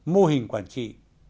mô hình quản trị